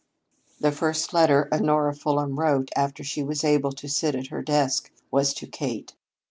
The first letter Honora Fulham wrote after she was able to sit at her desk was to Kate.